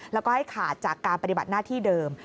แล้วก็ให้ขาดจากการปฏิบัติหน้าที่เดิม